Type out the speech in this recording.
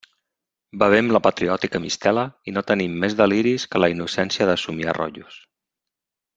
Bevem la patriòtica mistela i no tenim més deliris que la innocència de somiar rotllos.